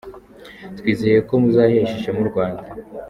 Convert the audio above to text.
Twizeye ko muzahesha ishema u Rwanda.